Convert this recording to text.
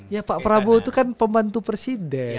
ya pak prabowo itu kan pembantu presiden